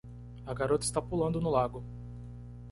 A garota está pulando no lago.